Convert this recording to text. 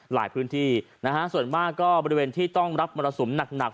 หลายพื้นที่นะฮะส่วนมากก็บริเวณที่ต้องรับมรสุมหนัก